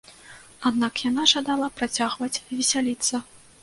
Аднак яна жадала працягваць весяліцца.